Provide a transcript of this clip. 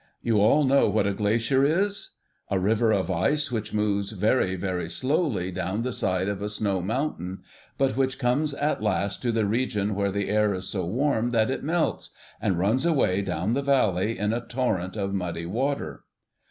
You all know what a glacier is? A river of ice which moves very very slowly down the side of a snow mountain, but which comes at last to the region where the air is so warm that it melts, and runs away down into the valley in a torrent of muddy water.